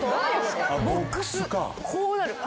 こうなる。